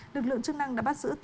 lực lượng chức năng đã bắt giữ